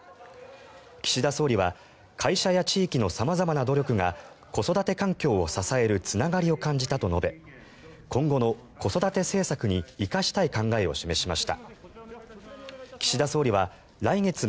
岸田総理は会社や地域の様々な努力が子育て環境を支えるつながりを感じたと述べ今後の子育て政策に生かしたい考えを示しました。